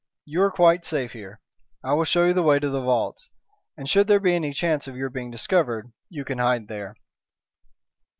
"You are quite safe here. I will show you the way to the vaults, and should there be any chance of your being discovered you can hide there."